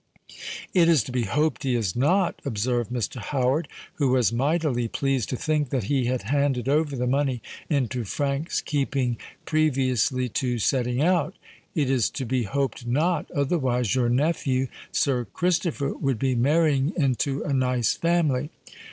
"It is to be hoped he is not," observed Mr. Howard, who was mightily pleased to think that he had handed over the money into Frank's keeping previously to setting out:—"it is to be hoped not—otherwise your nephew, Sir Christopher, would be marrying into a nice family."